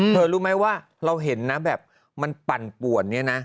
รู้ไหมว่าเราเห็นนะแบบมันปั่นป่วนเนี่ยนะ